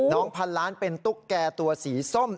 พันล้านเป็นตุ๊กแก่ตัวสีส้ม